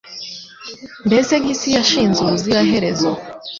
mbese nk’isi yashinze ubuziraherezo